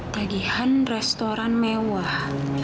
tagihan restoran mewah